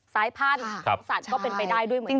สร้างภาพเหลือผลของหัวสัตว์ก็เป็นไปได้ด้วยเหมือนกัน